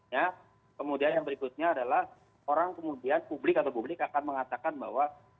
ya kemudian yang berikutnya adalah orang kemudian publik atau publik akan mengatakan bahwa